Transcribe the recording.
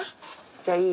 じゃいい？